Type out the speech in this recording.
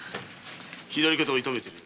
左肩を痛めている。